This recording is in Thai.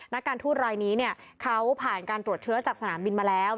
นักการทูตรายนี้เขาผ่านการตรวจเชื้อจากสนามบินมาแล้ว